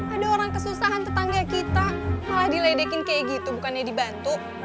ada orang kesusahan tetangga kita malah diledekin kayak gitu bukannya dibantu